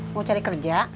mau cari kerja